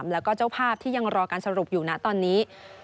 แล้วก็เจ้าภาพที่ยังรอการสรุปอยู่นะตอนนี้